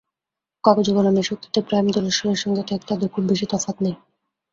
কাগজে-কলমের শক্তিতে প্রাইম দোলেশ্বরের সঙ্গে তাই তাদের খুব বেশি তফাত নেই।